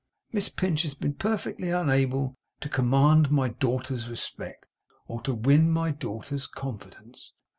Miss Pinch has been perfectly unable to command my daughter's respect, or to win my daughter's confidence.